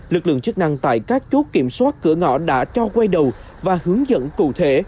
lực lượng chức năng tại các chốt kiểm soát cửa ngõ đã cho quay đầu và hướng dẫn cụ thể